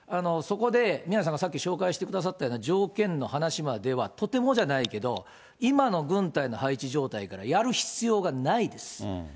そこで宮根さんがさっき紹介してくださったような条件の話まではとてもじゃないけど、今の軍隊の配置状態から、やる必要がないです。